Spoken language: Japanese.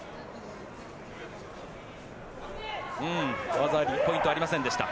技ありポイントはありませんでした。